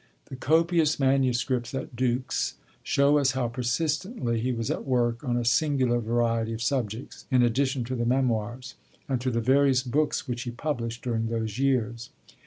The copious manuscripts at Dux show us how persistently he was at work on a singular variety of subjects, in addition to the Memoirs, and to the various books which he published during those years.